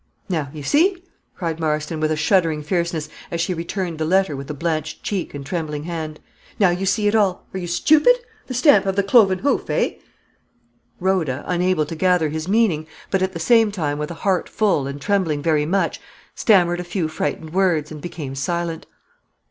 "Now you see," cried Marston, with a shuddering fierceness, as she returned the letter with a blanched cheek and trembling hand "now you see it all. Are you stupid? the stamp of the cloven hoof eh?" Rhoda, unable to gather his meaning, but, at the same time, with a heart full and trembling very much, stammered a few frightened words, and became silent.